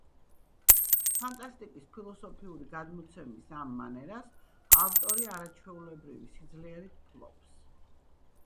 ფანტასტიკის ფილოსოფიური გადმოცემის ამ მანერას ავტორი არაჩვეულებრივი სიძლიერით ფლობს.